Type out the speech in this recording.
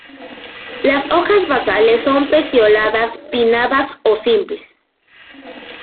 Las hojas basales son pecioladas, pinnadas o simples.